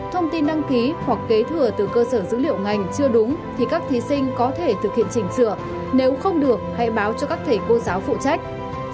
thông tin đăng ký hoặc kế thừa từ cơ sở dữ liệu ngành chưa đúng thì các thí sinh có thể thực hiện chỉnh sửa nếu không được hãy báo cho các thầy cô giáo phụ trách